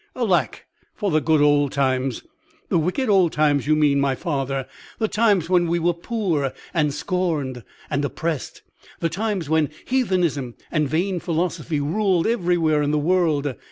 Alack for the good old times!" "The wicked old times you mean, my father; the times when we were poor, and scorned, and oppressed; the times when heathenism and vain philosophy ruled everywhere in the world.